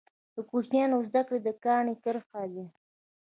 د کوچنیوالي زده کړي د کاڼي کرښي دي.